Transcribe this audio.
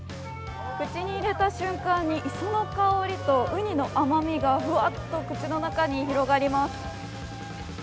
口に入れた瞬間に磯の香りとうにの甘みがふわっと口の中に広がります。